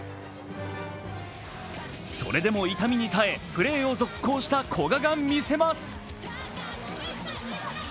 それでも痛みに耐え、プレーを続行した古閑が見せます。